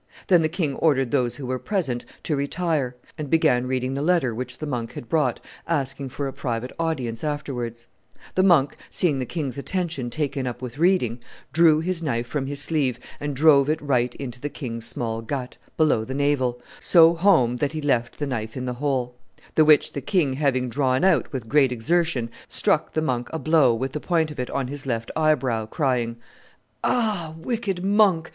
Then the king ordered those who were present to retire, and began reading the letter which the monk had brought asking for a private audience afterwards; the monk, seeing the king's attention taken up with reading, drew his knife from his sleeve and drove it right into the king's small gut, below the navel, so home that he left the knife in the hole; the which the king having drawn out with great exertion struck the monk a blow with the point of it on his left eyebrow, crying, 'Ah! wicked monk!